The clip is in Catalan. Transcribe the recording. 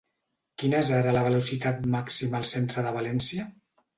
Quina és ara la velocitat màxima al centre de València?